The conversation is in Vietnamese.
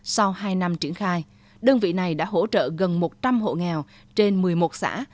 sau hai năm triển khai đơn vị này đã hỗ trợ gần một trăm linh hộ nghèo trên một mươi một xã